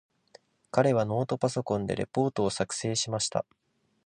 彼はノートパソコンでレポートを作成しました。